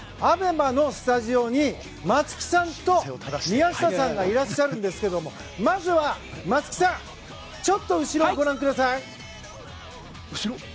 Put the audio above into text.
ＡＢＥＭＡのスタジオに松木さんと宮下さんがいらっしゃるんですけどまずは、松木さんちょっと後ろをご覧ください。